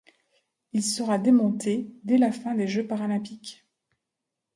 Il sera démonté dès la fin des Jeux paralympiques.